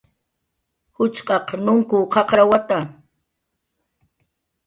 Juchqaq nunkw qaqrawata